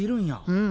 うん。